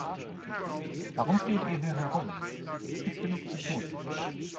Warum steht ihr hier herum, es gibt genug zu tun.